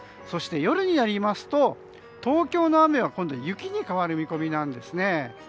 そして、夜になりますと東京の雨は今度、雪に変わる見込みなんですね。